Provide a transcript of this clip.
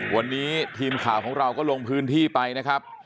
วันนี้ทีมข่าวของเราก็ลงพื้นที่ไปนะครับ